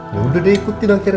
yaudah deh ikutin akhirnya